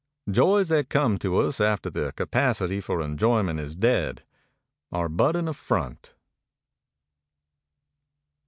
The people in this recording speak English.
Joys that come to us after the capacity for enjoyment is dead are but an affront.